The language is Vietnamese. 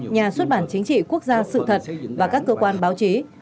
nhà xuất bản chính trị quốc gia sự thật và các cơ quan báo chí